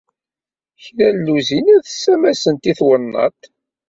Kra n lluzinat ssamasent i twennaḍt.